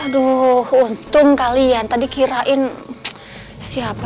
aduh untung kalian tadi kirain siapa